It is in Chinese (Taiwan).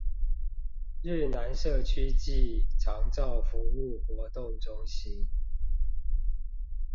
日南社區暨長照服務活動中心